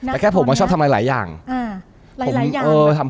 แต่แค่ผมก็ชอบทำหลายหลายอย่างอ่า